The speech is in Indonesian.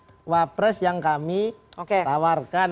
ini calon wapres yang kami tawarkan